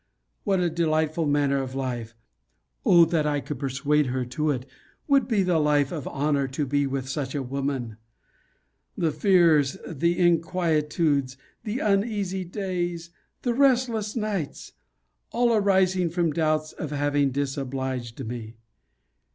What a delightful manner of life [O that I could persuade her to it!] would the life of honour be with such a woman! The fears, the inquietudes, the uneasy days, the restless nights; all arising from doubts of having disobliged me!